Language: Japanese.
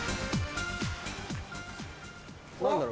何だろ？